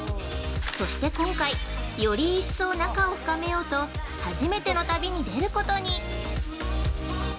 そして今回、より一層仲を深めようと初めての旅に出ることに。